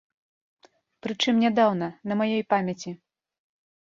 Прычым нядаўна, на маёй памяці.